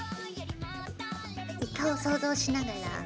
イカを想像しながら。